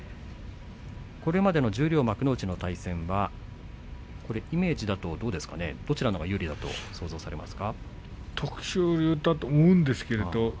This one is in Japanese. これまでの対戦はイメージだとどちらが有利と想像されますか。